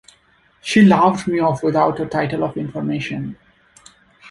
She laughed me off without a tittle of information.